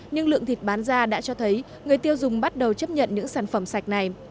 nhưng lượng thịt bán ra đã cho thấy người tiêu dùng bắt đầu chấp nhận những sản phẩm sạch này